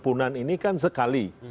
pengampunan ini kan sekali